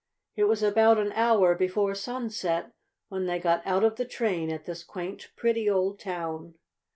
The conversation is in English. It was about an hour before sunset when they got out of the train at this quaint, pretty old town.